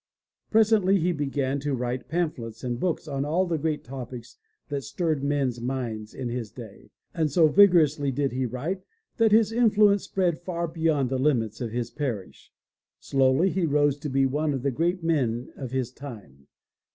Presently he began to write pamphlets and books on all the great topics that stirred men's minds in his day, and so vigorously did he write that his influence spread far beyond the limits of his parish. Slowly he rose to be one of the great men of his time.